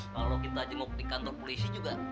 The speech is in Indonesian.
kalau kita jenguk di kantor polisi juga